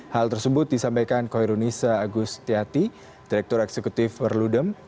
hal tersebut disampaikan ke herunisa agustiati direktur eksekutif berludem